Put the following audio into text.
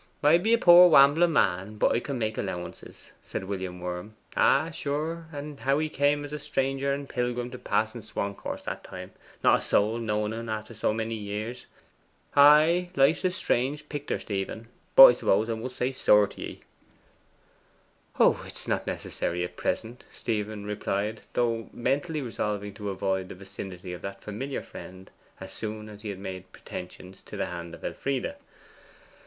'I be a poor wambling man, but I can make allowances,' said William Worm. 'Ah, sure, and how he came as a stranger and pilgrim to Parson Swancourt's that time, not a soul knowing en after so many years! Ay, life's a strange picter, Stephen: but I suppose I must say Sir to ye?' 'Oh, it is not necessary at present,' Stephen replied, though mentally resolving to avoid the vicinity of that familiar friend as soon as he had made pretensions to the hand of Elfride.